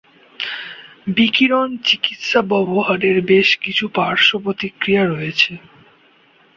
বিকিরণ চিকিৎসা ব্যবহারের বেশ কিছু পার্শ্বপ্রতিক্রিয়া রয়েছে।